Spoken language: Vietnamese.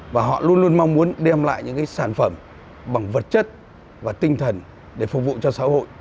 và họ luôn luôn mong muốn đem lại những sản phẩm bằng vật chất và tinh thần để phục vụ cho xã hội